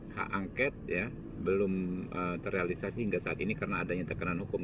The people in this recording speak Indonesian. hak angket belum terrealisasi hingga saat ini karena adanya tekanan hukum